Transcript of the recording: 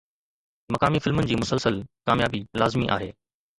مقامي فلمن جي مسلسل ڪاميابي لازمي آهي.